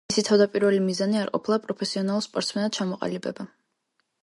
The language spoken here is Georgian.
მისი თავდაპირველი მიზანი არ ყოფილა პროფესიონალ სპორტსმენად ჩამოყალიბება.